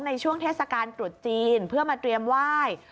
ในช่วงเทศกาลตรุษจีนเพื่อมาเตรียมไหว้